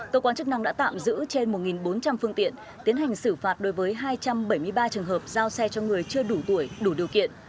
cơ quan chức năng đã tạm giữ trên một bốn trăm linh phương tiện tiến hành xử phạt đối với hai trăm bảy mươi ba trường hợp giao xe cho người chưa đủ tuổi đủ điều kiện